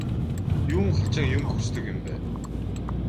Юун хачин юм хүсдэг юм бэ?